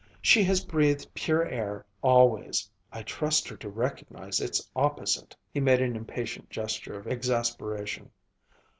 She has breathed pure air always I trust her to recognize its opposite." He made an impatient gesture of exasperation.